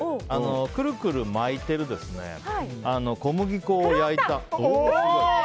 くるくる巻いてる小麦粉を焼いた。